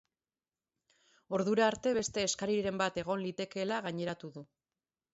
Ordura arte beste eskariren bat egon litekeela gaineratu du.